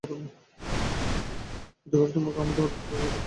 যদি করে, আমি তোমাদের রক্ষা করব।